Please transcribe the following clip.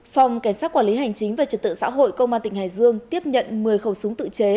phòng cảnh sát quản lý hành chính về trật tự xã hội công an tỉnh hải dương tiếp nhận một mươi khẩu súng tự chế